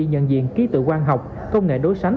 nhận diện ký tự quang học công nghệ đối sánh